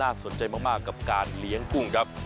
รายได้เสริมน่าสนใจมากกับการเลี้ยงกุ้งครับ